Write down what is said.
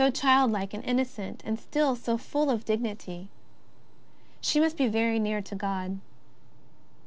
49 childlike and innocent, and still so full of dignity. She must be very near to God.